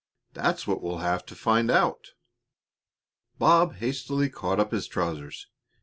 "That's what we'll have to find out." Bob hastily caught up his trousers.